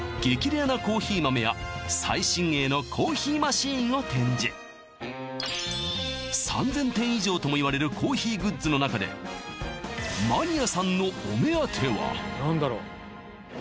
レアなコーヒー豆や最新鋭のコーヒーマシンを展示３０００点以上ともいわれるコーヒーグッズの中でえっとね